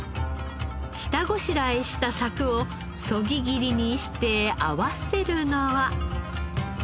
下ごしらえしたサクをそぎ切りにして合わせるのは。